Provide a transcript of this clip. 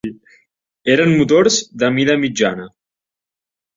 Eren motors de mida mitjana.